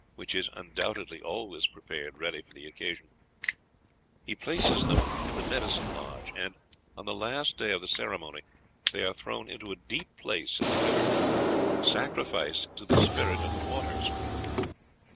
(which is undoubtedly always prepared ready for the occasion), be places them in the medicine lodge; and, on the last day of the ceremony, they are thrown into a deep place in the river 'sacrificed to the Spirit of the Waters."'